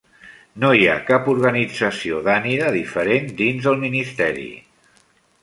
No hi ha cap organització Danida diferent dins el Ministeri.